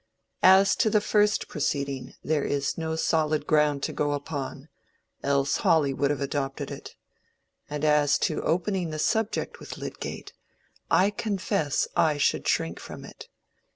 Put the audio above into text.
As to the first proceeding there is no solid ground to go upon, else Hawley would have adopted it; and as to opening the subject with Lydgate, I confess I should shrink from it.